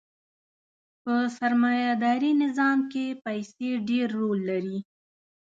په سرمایه داري نظام کښې پیسې ډېر رول لري.